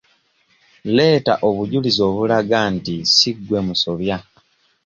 Leeta obujulizi obulaga nti si gwe musobya.